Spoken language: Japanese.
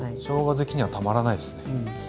しょうが好きにはたまらないですね。